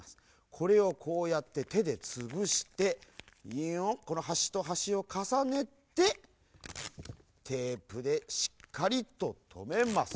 これをこうやっててでつぶしてこのはしとはしをかさねてテープでしっかりととめます。